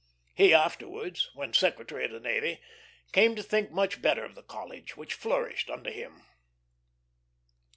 He afterwards, when Secretary of the Navy, came to think much better of the College, which flourished under him.